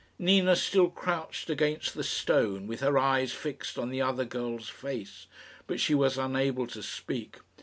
Nina still crouched against the stone, with her eyes fixed on the other girl's face; but she was unable to speak.